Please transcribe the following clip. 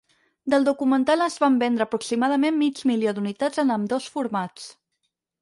Del documental es van vendre aproximadament mig milió d'unitats en ambdós formats.